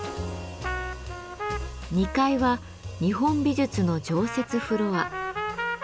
２階は日本美術の常設フロア。